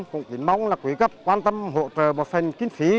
cũng kính mong là quý cấp quan tâm hỗ trợ một phần kinh phí